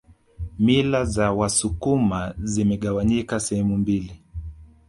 Mila za wasukuma zimegawanyika sehemu mbili